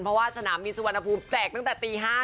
เพราะว่าสนามบินสุวรรณภูมิแจกตั้งแต่ตี๕